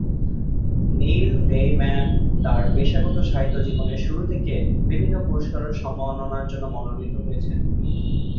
নীল Gaiman তার পেশাগত সাহিত্য জীবনের শুরু থেকেই বিভিন্ন পুরস্কার ও সম্মাননার জন্য মনোনীত হয়েছেন।